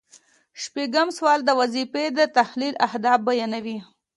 شپیتم سوال د وظیفې د تحلیل اهداف بیانوي.